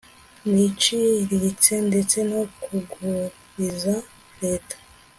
n iciriritse ndetse no kuguriza reta